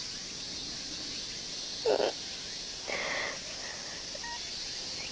うん。